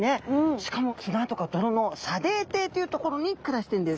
しかも砂とか泥の砂泥底という所に暮らしているんです。